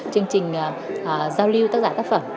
chương trình giao lưu tác giả tác phẩm